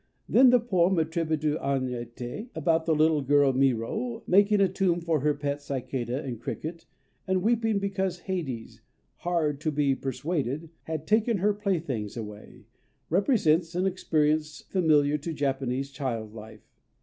Then the poem attributed to Anyté, about the little girl Myro making a tomb for her pet cicada and cricket, and weeping because Hades, "hard to be persuaded," had taken her playthings away, represents an experience familiar to Japanese child life.